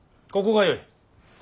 ここがよい。